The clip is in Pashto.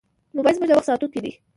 موبایل زموږ د وخت ساتونکی دی.